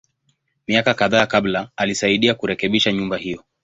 Miaka kadhaa kabla, alisaidia kurekebisha nyumba hiyo.